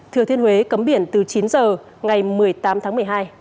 thừa thiên huế cấm biển từ chín giờ ngày một mươi tám tháng một mươi hai